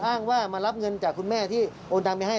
อ้างว่ามารับเงินจากคุณแม่ที่โอนตังไปให้